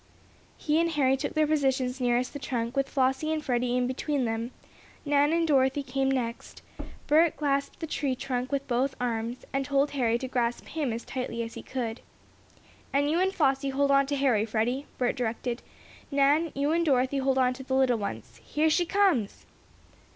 He and Harry took their positions nearest the trunk, with Flossie and Freddie between them. Nan and Dorothy came next. Bert clasped the tree trunk with both arms, and told Harry to grasp him as tightly as he could. "And you and Flossie hold on to Harry, Freddie," Bert directed. "Nan, you and Dorothy hold on to the little ones. Here she comes!"